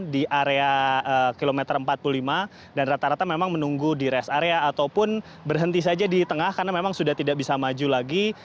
di area kilometer empat puluh lima dan rata rata memang menunggu di rest area ataupun berhenti saja di tengah karena memang sudah tidak bisa maju lagi